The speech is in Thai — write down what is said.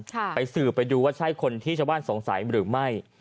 ไปสื่อไปดูว่าใช่คนที่ชาวบ้านสงสัยหรือไม่